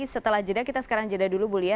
setelah jeda kita sekarang jeda dulu bu lia